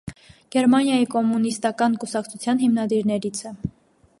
Գերմանիայի կոմունիստական կուսակցության հիմնադիրներից է։